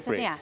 web brick ya